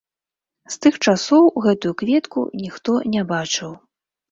З тых часоў гэтую кветку ніхто не бачыў.